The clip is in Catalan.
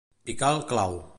Picar al clau.